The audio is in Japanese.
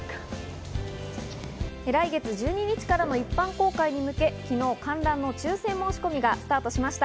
来月１２日からの一般公開に向け、昨日、観覧の抽選申し込みがスタートしました。